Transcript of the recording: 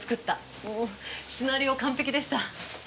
もうシナリオ完璧でした。